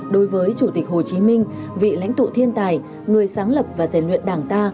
đối với chủ tịch hồ chí minh vị lãnh tụ thiên tài người sáng lập và rèn luyện đảng ta